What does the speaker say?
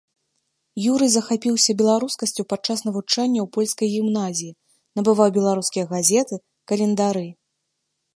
Юрый захапіўся беларускасцю падчас навучання ў польскай гімназіі, набываў беларускія газеты, календары.